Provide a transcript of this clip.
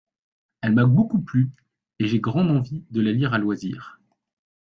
Elle m'a beaucoup plu et j'ai grande envie de la lire à loisir.